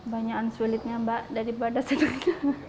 banyakan sulitnya mbak daripada sedikit